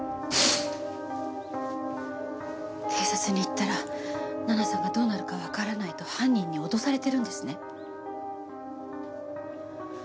警察に言ったら奈々さんがどうなるかわからないと犯人に脅されてるんですね？